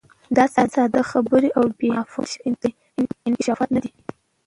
دا ساده خبرې او بې مفهومه انکشافات نه دي.